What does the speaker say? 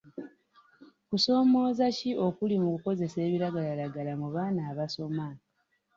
Kusoomooza ki okuli mu kukozeseza ebiragalalagala mu baana abasoma?